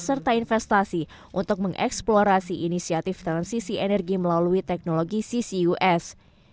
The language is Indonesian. serta investasi untuk mengeksplorasi inisiatif transisi energi melalui teknologi ccus